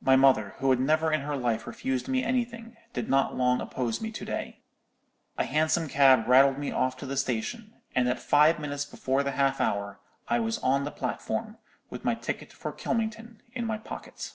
"My mother, who had never in her life refused me anything, did not long oppose me to day. A hansom cab rattled me off to the station; and at five minutes before the half hour I was on the platform, with my ticket for Kylmington in my pocket."